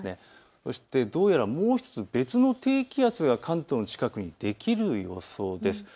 そしてどうやらもう１つ別の低気圧が関東の近くにできる予想です。